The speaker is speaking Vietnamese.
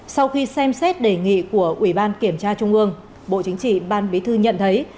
sau khi xem xét đề nghị của ủy ban kiểm tra trung ương bộ chính trị ban bí thư nhận thấy